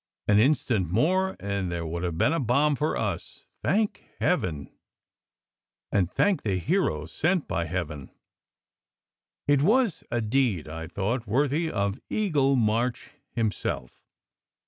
An instant more, and there would have been a bomb for us. Thank heaven! And thank the hero sent by heaven!" It was a deed, I thought, worthy of Eagle March himself.